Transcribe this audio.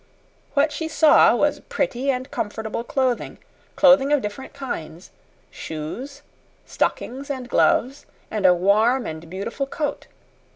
What she saw was pretty and comfortable clothing clothing of different kinds: shoes, stockings, and gloves, and a warm and beautiful coat.